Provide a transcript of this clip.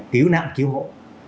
cứu nạn cứu hộ